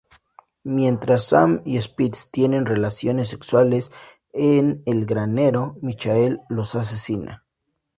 Mientras Sam y Spitz tienen relaciones sexuales en el granero, Michael los asesina.